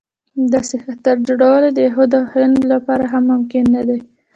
د داسې خطر جوړول د یهود او هنود لپاره هم ممکن نه دی.